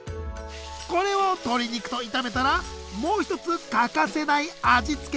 これを鶏肉と炒めたらもう一つ欠かせない味付けが。